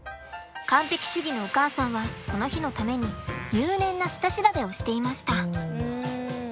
完璧主義のお母さんはこの日のために入念な下調べをしていました。